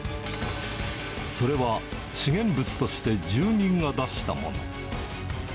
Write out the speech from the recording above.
それは、資源物として住民が出したもの。